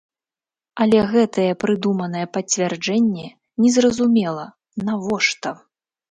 Але гэтае прыдуманае пацвярджэнне незразумела, навошта.